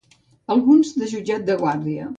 Alguns de jutjat de guàrdia.